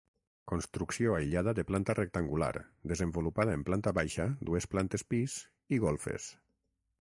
Construcció aïllada de planta rectangular, desenvolupada en planta baixa, dues plantes pis i golfes.